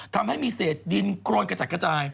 ทำให้มีเศษดินโครนกระจัดกระจาย